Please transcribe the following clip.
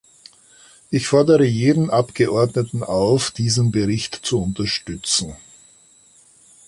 Ich fordere jeden Abgeordneten auf, diesen Bericht zu unterstützen.